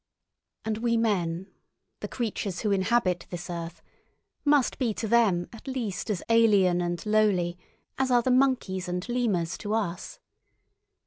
And we men, the creatures who inhabit this earth, must be to them at least as alien and lowly as are the monkeys and lemurs to us.